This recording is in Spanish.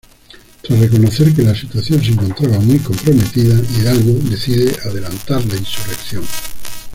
Tras reconocer que la situación se encontraba muy comprometida, Hidalgo decide adelantar la insurrección.